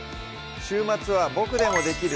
週末は「ボクでもできる！